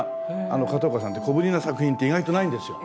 片岡さんって小ぶりな作品って意外とないんですよ。